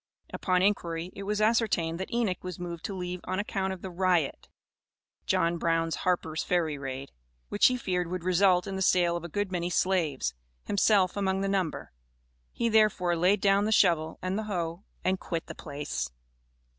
Upon inquiry, it was ascertained that Enoch was moved to leave on account of the "riot," (John Brown's Harper's Ferry raid), which he feared would result in the sale of a good many slaves, himself among the number; he, therefore, "laid down the shovel and the hoe," and quit the place.